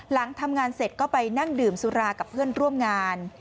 หลังทำงานเสร็จก็ไปนั่งดื่มสุรากับเพื่อนร่วมงาน